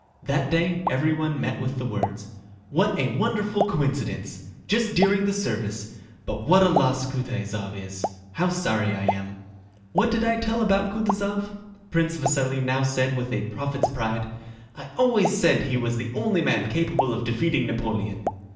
That day everyone met with the words: "What a wonderful coincidence! Just during the service. But what a loss Kutáysov is! How sorry I am!" "What did I tell about Kutúzov?" Prince Vasíli now said with a prophet's pride. "I always said he was the only man capable of defeating Napoleon."